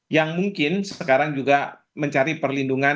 yang mungkin sekarang juga mencari perlindungan